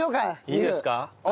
いいですか？